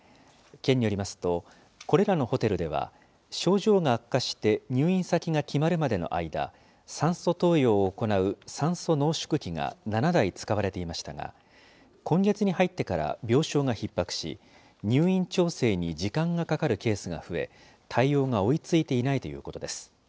県によりますと、これらのホテルでは、症状が悪化して入院先が決まるまでの間、酸素投与を行う酸素濃縮器が７台使われていましたが、今月に入ってから病床がひっ迫し、入院調整に時間がかかるケースが増え、対応が追いついていないということです。